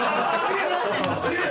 すいません。